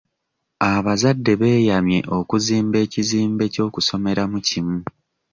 Abazadde beeyamye okuzimba ekizimbe ky'okusomeramu kimu.